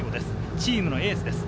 チームのエースです。